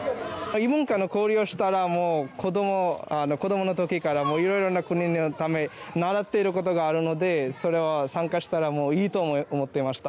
異文化の交流をしたら子どものときからいろいろな国のため習っていることがあるのでそれは参加したらいいと思っていました。